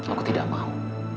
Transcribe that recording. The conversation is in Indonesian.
aku tidak mau